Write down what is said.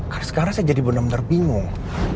karena sekarang saya jadi bener bener bingung